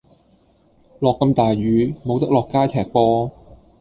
落咁大雨，無得落街踢波。